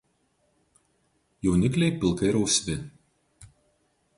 Jaunikliai pilkai rusvi.